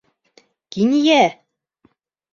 Кинйә!